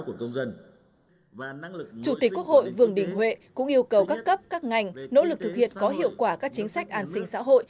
chủ tịch quốc hội vương đình huệ cũng yêu cầu các cấp các ngành nỗ lực thực hiện có hiệu quả các chính sách an sinh xã hội